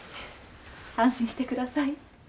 安心してください。